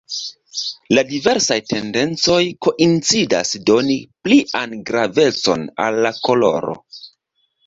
La diversaj tendencoj koincidas doni plian gravecon al la koloro.